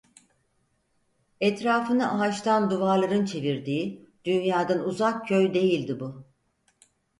Etrafını ağaçtan duvarların çevirdiği, dünyadan uzak köy değildi bu…